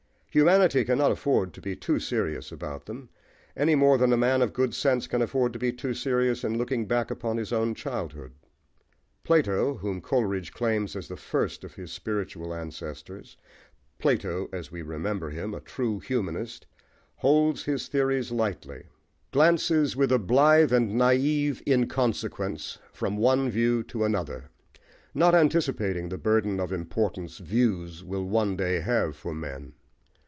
Humanity cannot afford to be too serious about them, any more than a man of good sense can afford to be too serious in looking back upon his own childhood. Plato, whom Coleridge claims as the first of his spiritual ancestors, Plato, as we remember him, a true humanist, holds his theories lightly, glances with a somewhat blithe and naive inconsequence from one view to another, not anticipating the burden of importance "views" will one day have for men.